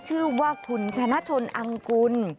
ชื่อว่าคุณชนะชนอังกุล